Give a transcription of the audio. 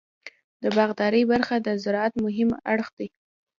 د باغدارۍ برخه د زراعت مهم اړخ دی.